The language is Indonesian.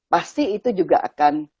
pasti itu juga akan